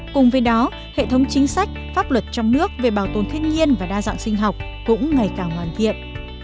cùng với đó hệ thống chính sách pháp luật trong nước về bảo tồn thiên nhiên và đa dạng sinh học cũng ngày càng hoàn thiện